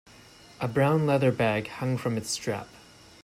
A brown leather bag hung from its strap.